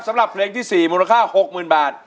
สำหรับเพลงที่๔มูลค่า๖๐๐๐บาท